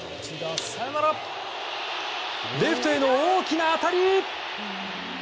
レフトへの大きな当たり！